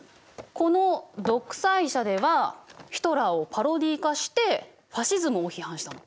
この「独裁者」ではヒトラーをパロディー化してファシズムを批判したの。